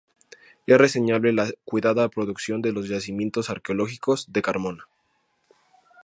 Es reseñable la cuidada producción de los yacimientos arqueológicos de Carmona.